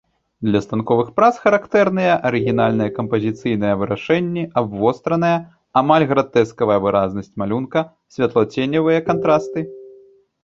Для станковых прац характэрныя арыгінальныя кампазіцыйныя вырашэнні, абвостраная, амаль гратэскавая выразнасць малюнка, святлоценявыя кантрасты.